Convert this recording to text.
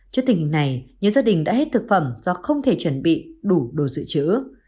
trước tình hình này nhiều gia đình đã hết thực phẩm do không thể chuẩn bị đủ đồ dự trữ